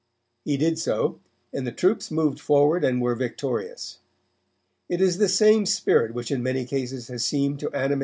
He did so and the troops moved forward and were victorious. It is this same spirit which in many cases has seemed to animate our men.